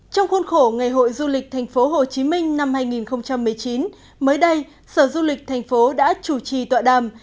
trong khuôn khổ ngày hội du lịch tp hcm năm hai nghìn một mươi chín mới đây sở du lịch thành phố đã chủ trì tọa đàm